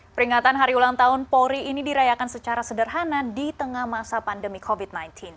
peringatan hari ulang tahun polri ini dirayakan secara sederhana di tengah masa pandemi covid sembilan belas